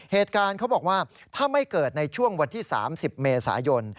เหตุการณ์เขาบอกว่าถ้าไม่เกิดในช่วงวันที่๓๐เมษายน